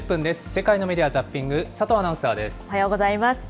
世界のメディア・ザッピング、おはようございます。